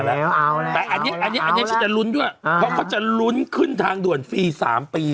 แต่อันนี้อันนี้ฉันจะลุ้นด้วยเพราะเขาจะลุ้นขึ้นทางด่วนฟรี๓ปี